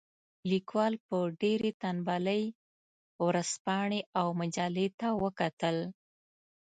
لیکوال په ډېرې تنبلۍ ورځپاڼې او مجلې ته وکتل.